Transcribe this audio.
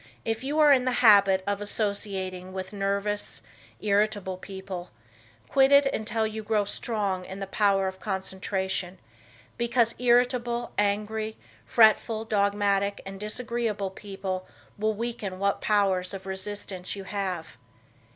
If you are in the habit of associating with nervous, irritable people, quit it until you grow strong in the power of concentration, because irritable, angry, fretful, dogmatic and disagreeable people will weaken what powers of resistance you have.